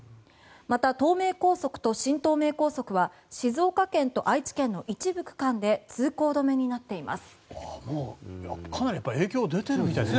また、東名高速と新東名高速は静岡県と愛知県の一部区間で通行止めになっています。